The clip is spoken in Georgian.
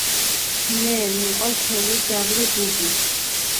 მე მიყვარს ჩემი ძაღლი ბუბუ.